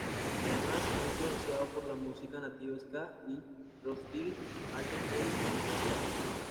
Además fue influenciado por la música nativa ska y rocksteady, Alton Ellis en particular.